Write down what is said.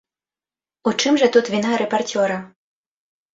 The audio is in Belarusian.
У чым жа тут віна рэпарцёра?